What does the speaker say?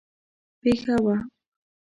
پېښه وه.